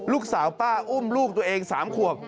ลูกสาวป้าอุ้มลูกตัวเอง๓ขวบ